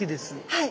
はい。